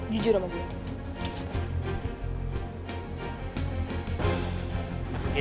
jujur sama gue